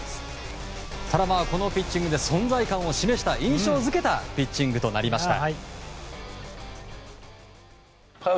ただ、このピッチングで存在感を示した印象付けたピッチングとなりました。